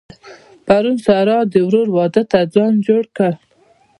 پرون سارا د ورور واده ته ځان جوړ کړ.